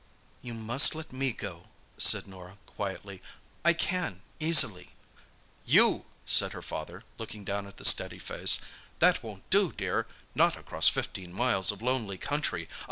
"You must let me go," said Norah quietly. "I can—easily." "You!" said her father, looking down at the steady face. "That won't do, dear—not across fifteen miles of lonely country.